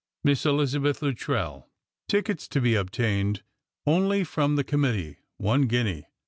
Miss Elizabeth Luttrell, llckets to be obtained only from the Committee, One Guinea.